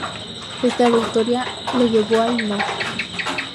Esta victoria lo llevó al No.